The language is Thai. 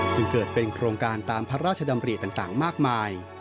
จึงเกิดเป็นโครงการตามพระราชดำริต่างมากมาย